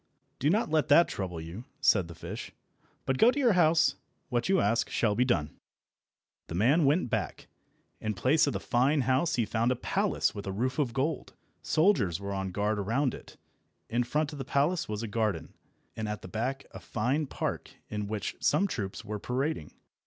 "Do not let that trouble you," said the fish, "but go to your house. What you ask shall be done." The man went back. In place of the fine house he found a palace with a roof of gold. Soldiers were on guard around it. In front of the palace was a garden, and at the back a fine park, in which some troops were parading.